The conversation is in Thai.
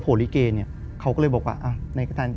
สตพอร์ลิเกย์เนี่ยเขาก็เลยบอกว่า